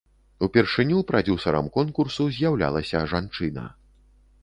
Упершыню прадзюсарам конкурсу з'яўлялася жанчына.